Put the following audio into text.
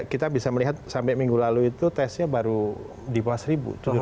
kita bisa melihat sampai minggu lalu itu tesnya baru di bawah seribu